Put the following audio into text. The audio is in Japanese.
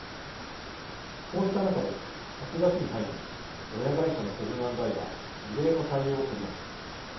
こうした中で、８月に入り親会社のセブン＆アイは異例の対応を取りました。